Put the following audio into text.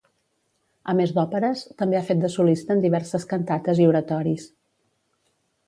A més d'òperes, també ha fet de solista en diverses cantates i oratoris.